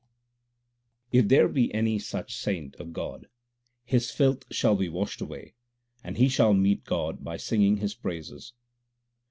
298 THE SIKH RELIGION If there be any such saint of God, His filth shall be washed away, and he shall meet God by singing His praises.